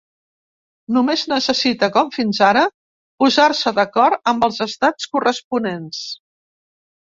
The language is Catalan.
Només necessita, com fins ara, posar-se d’acord amb els estats corresponents.